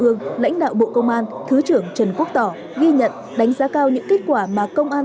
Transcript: ương lãnh đạo bộ công an thứ trưởng trần quốc tỏ ghi nhận đánh giá cao những kết quả mà công an